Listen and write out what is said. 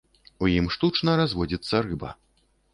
У ім штучна разводзіцца рыба.